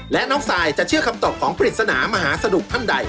และน้องซายจะเชื่อคำตอบของปริศนามหาสนุกท่านใด